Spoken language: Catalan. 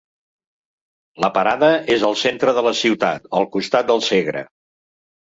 La parada és al centre de la ciutat, al costat del Segre.